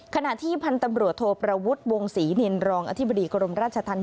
ขณะที่พันธุ์ตำรวจโทประวุฒิวงศรีนินรองอธิบดีกรมราชธรรม